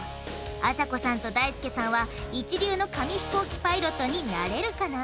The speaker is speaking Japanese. あさこさんとだいすけさんは一流の紙ひこうきパイロットになれるかな？